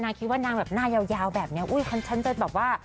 คิดว่านางแบบหน้ายาวแบบนี้อุ้ยฉันจะแบบว่า